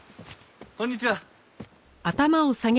こんにちは。